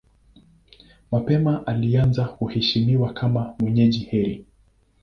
Mapema alianza kuheshimiwa kama mwenye heri.